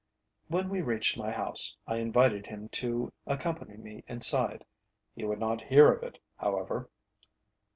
When we reached my house, I invited him to accompany me inside; he would not hear of it, however.